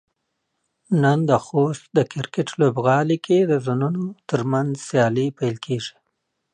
نن د خوست د کرکټ لوبغالي کې د زونونو ترمنځ سيالۍ پيل کيږي.